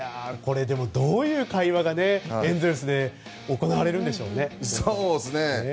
どういう会話がエンゼルスで行われるんでしょうね。